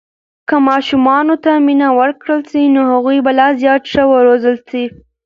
که ماشومانو ته مینه ورکړل سي، نو هغوی به لا زیات ښه روزل سي.